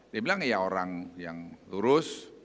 dia bilang ya orang yang lurus